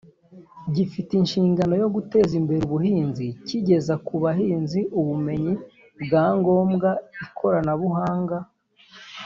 gifite inshingano yo guteza imbere ubuhinzi kigeza ku bahinzi ubumenyi bwa ngombwa ikoranabuhanga